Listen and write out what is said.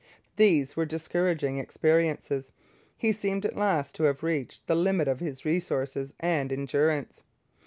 These were discouraging experiences. He seemed at last to have reached the limit of his resources and endurance.